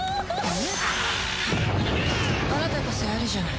あなたこそやるじゃない。